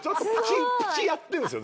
プチやってんですよ